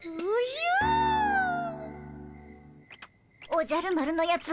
おじゃる丸のやつ